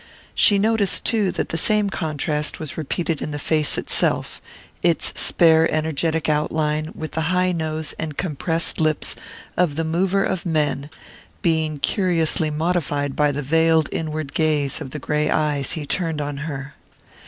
She noticed, too, that the same contrast was repeated in the face itself, its spare energetic outline, with the high nose and compressed lips of the mover of men, being curiously modified by the veiled inward gaze of the grey eyes he turned on her.